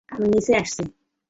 আমি নিচে আসছি।